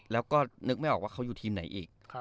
แล้วก็นึกไม่ออกว่าเขาอยู่ทีมไหนอีก